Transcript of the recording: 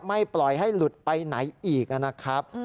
ไม่ปล่อยให้หลุดไปไหนอีกนะครับ